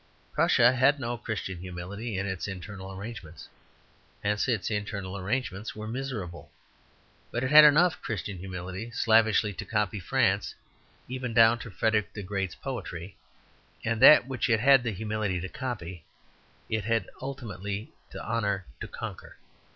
Prussia had no Christian humility in its internal arrangements; hence its internal arrangements were miserable. But it had enough Christian humility slavishly to copy France (even down to Frederick the Great's poetry), and that which it had the humility to copy it had ultimately the honour to conquer.